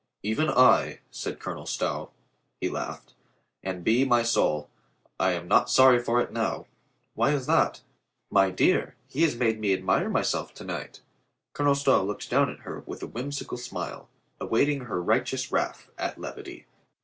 "Even I," said Colonel Stow. He laughed. "And by my soul, I am not sorry for it now." "Why is that?" "My dear, he has made me admire myself to night" Colonel Stow looked down at her with a whimsical smile, awaiting her righteous wrath at levity.